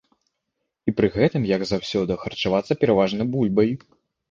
І пры гэтым, як заўсёды, харчавацца пераважна бульбай.